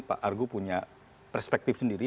pak argo punya perspektif sendiri